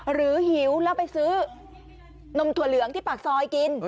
หิวแล้วไปซื้อนมถั่วเหลืองที่ปากซอยกิน